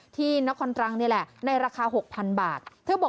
ที่น๊าคอร์ตรังที่นี้แหละในราคาหกพันบาท